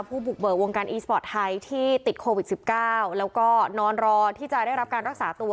ผู้บุกเบิกวงการอีสปอร์ตไทยที่ติดโควิด๑๙แล้วก็นอนรอที่จะได้รับการรักษาตัว